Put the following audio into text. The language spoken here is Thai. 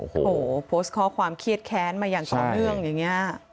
โอ้โหโพสต์ข้อความเครียดแค้นมาอย่างต่อเนื่องอย่างนี้